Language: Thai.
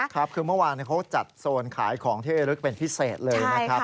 ครับคือเมื่อวานเขาจัดโซนขายของที่ลึกเป็นพิเศษเลยนะครับ